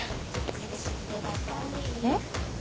えっ？